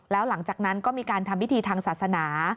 แล้วหลังจากนั้นก็มีการทำพิธีทางศาสนา